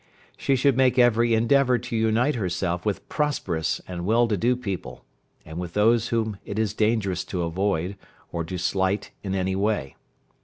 "She should make every endeavour to unite herself with prosperous and well to do people, and with those whom it is dangerous to avoid, or to slight in any way.